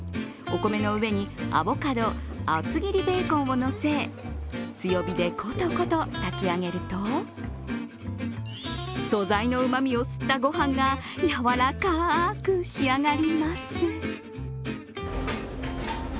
お米の上にアボカド、厚切りベーコンをのせ、強火でコトコト炊き上げると素材のうまみを吸った御飯がやわらかく仕上がります。